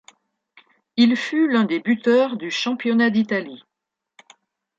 Il fut l'un des buteurs du championnat d'Italie.